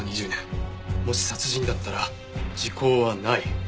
もし殺人だったら時効はない。